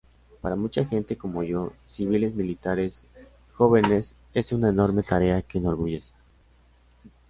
Para mucha gente como yo, civiles, militares, jóvenes, es una enorme tarea, que enorgullece.